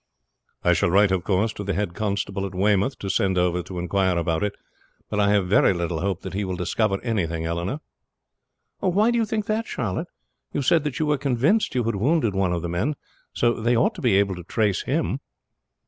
"I shall write, of course, to the head constable at Weymouth to send over to inquire about it, but I have very little hope that he will discover anything, Eleanor." "Why do you think that, Charlotte? You said that you were convinced you had wounded one of the men; so they ought to be able to trace him."